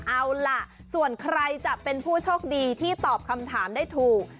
เอาล่ะส่วนใครจะเป็นผู้โชคดีที่ตอบคำถามได้ถูก